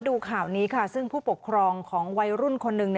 ดูข่าวนี้ค่ะซึ่งผู้ปกครองของวัยรุ่นคนหนึ่ง